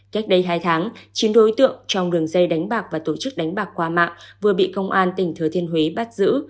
cách đây hai tháng chín đối tượng trong đường dây đánh bạc và tổ chức đánh bạc qua mạng vừa bị công an tỉnh thừa thiên huế bắt giữ